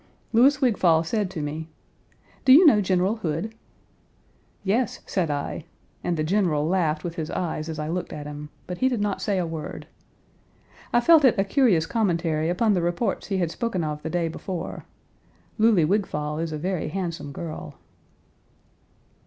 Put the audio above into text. Louis Wigfall said to me: "Do you know General Hood?" "Yes," said I, and the General laughed with his eyes as I looked at him; but he did not say a word. I felt it a curious commentary upon the reports he had spoken of the day before. Louly Wigfall is a very handsome girl.